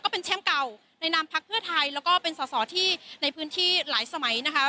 เป็นแชมป์เก่าในนามพักเพื่อไทยแล้วก็เป็นสอสอที่ในพื้นที่หลายสมัยนะคะ